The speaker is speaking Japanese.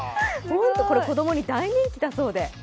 子供に大人気だそうで。